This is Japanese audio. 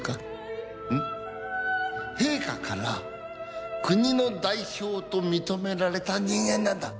陛下から国の代表と認められた人間なんだ。